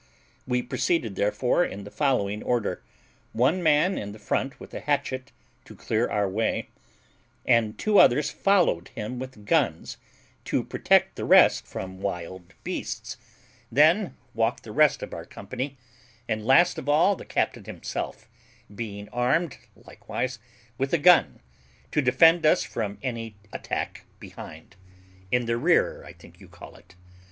We proceeded therefore in the following order: one man in the front with a hatchet, to clear our way, and two others followed him with guns, to protect the rest from wild beasts; then walked the rest of our company, and last of all the captain himself, being armed likewise with a gun, to defend us from any attack behind in the rear, I think you call it.